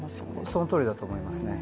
そのとおりだと思いますね。